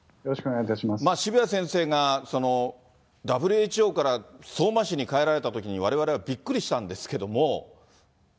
渋谷先生がＷＨＯから相馬市に帰られたときに、われわれはびっくりしたんですけれども。